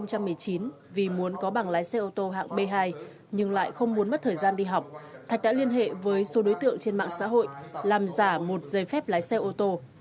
năm hai nghìn một mươi chín vì muốn có bằng lái xe ô tô hạng b hai nhưng lại không muốn mất thời gian đi học thạch đã liên hệ với số đối tượng trên mạng xã hội làm giả một giấy phép lái xe ô tô